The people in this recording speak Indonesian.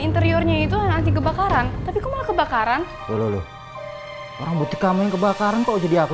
interiornya itu nanti kebakaran tapi kau kebakaran dulu orang butik kamu yang kebakaran kok jadi aku